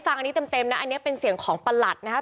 อันนี้เป็นเสียงของประหลัดนะครับ